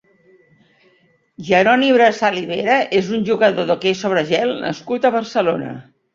Jeroni Brasal i Vera és un jugador d'hoquei sobre gel nascut a Barcelona.